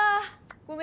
ごめんね」。